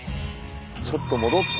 ちょっと戻って。